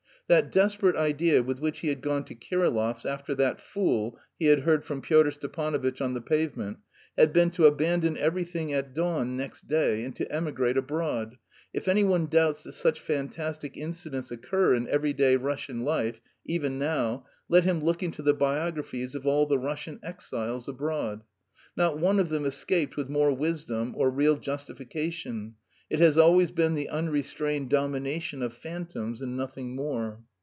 That desperate idea with which he had gone to Kirillov's after that "fool" he had heard from Pyotr Stepanovitch on the pavement, had been to abandon everything at dawn next day and to emigrate abroad. If anyone doubts that such fantastic incidents occur in everyday Russian life, even now, let him look into the biographies of all the Russian exiles abroad. Not one of them escaped with more wisdom or real justification. It has always been the unrestrained domination of phantoms and nothing more.